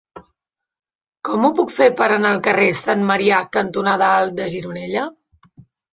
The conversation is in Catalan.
Com ho puc fer per anar al carrer Sant Marià cantonada Alt de Gironella?